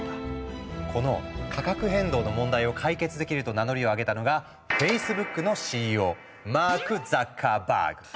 この価格変動の問題を解決できると名乗りを上げたのがフェイスブックのＣＥＯマーク・ザッカーバーグ。